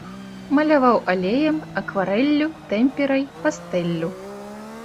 Маляваў алеем, акварэллю, тэмперай, пастэллю.